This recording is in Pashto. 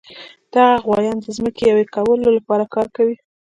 دغه غوایان د ځمکې یوې کولو لپاره کار کوي.